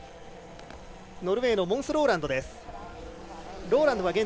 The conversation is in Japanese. ノルウェーのモンス・ローランド。